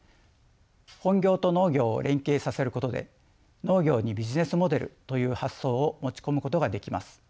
本業と農業を連携させることで農業にビジネスモデルという発想を持ち込むことができます。